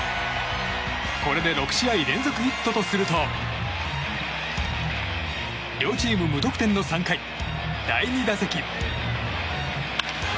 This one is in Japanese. これで６試合連続ヒットとすると両チーム無得点の３回第２打席。